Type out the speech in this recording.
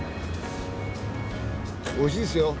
おいしいっすよ。